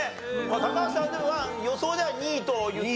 高橋さんはでも予想では２位と言っていましたが。